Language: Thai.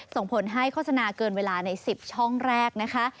ส่งผลให้โฆษณาเกินเวลาใน๑๐ช่องแรกนะคะ